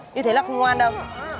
như thế là không ngoan đâu